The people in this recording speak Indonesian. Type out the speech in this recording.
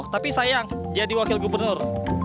tapi sayang jadi wakil gubernur